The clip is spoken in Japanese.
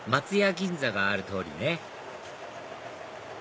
銀座がある通りね